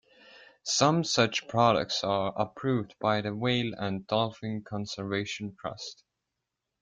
Some such products are approved by the Whale and Dolphin Conservation Trust.